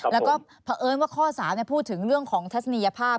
แล้วก็เผอิญว่าข้อ๓พูดถึงเรื่องของทัศนียภาพ